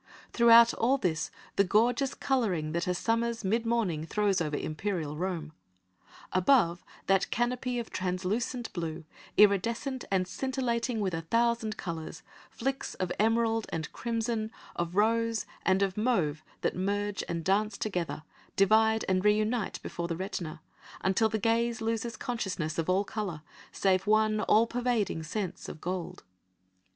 Throughout all this the gorgeous colouring that a summer's mid morning throws over imperial Rome. Above, that canopy of translucent blue, iridescent and scintillating with a thousand colours, flicks of emerald and crimson, of rose and of mauve that merge and dance together, divide and reunite before the retina, until the gaze loses consciousness of all colour save one all pervading sense of gold.